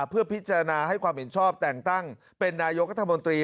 เพื่อพิจารณาให้ความเห็นชอบแต่งตั้งเป็นนายกรัฐมนตรี